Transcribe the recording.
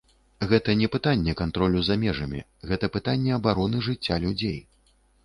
Гэта не пытанне кантролю за межамі, гэта пытанне абароны жыцця людзей.